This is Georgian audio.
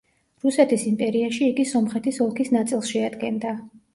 რუსეთის იმპერიაში იგი სომხეთის ოლქის ნაწილს შეადგენდა.